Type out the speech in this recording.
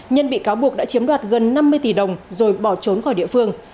nhân bị cáo buộc đã chiếm đoạt gần năm mươi tỷ đồng rồi bỏ trốn khỏi địa phương